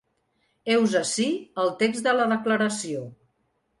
Heus ací el text de la declaració.